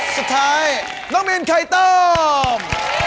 สุดท้ายน้องมีนไข่ต้ม